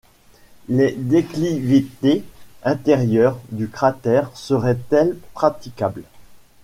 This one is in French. Les déclivités intérieures du cratère seraient-elles praticables